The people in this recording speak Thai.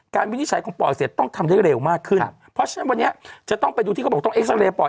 วินิจฉัยของปอดเสร็จต้องทำได้เร็วมากขึ้นเพราะฉะนั้นวันนี้จะต้องไปดูที่เขาบอกต้องเอ็กซาเรย์ปอด